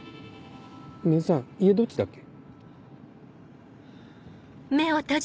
根津さん家どっちだっけ？